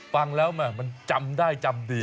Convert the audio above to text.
ฟังแล้วแหม่มันจำได้จำดี